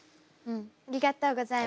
ありがとうございます。